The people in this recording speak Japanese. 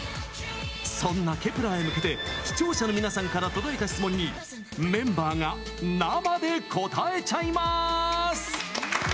そんなＫｅｐ１ｅｒへ向けて視聴者の皆さんから届いた質問にメンバーが生で答えちゃいまーす！